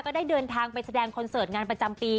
ได้เดินทางไปแสดงคอนเสิร์ตงานประจำปี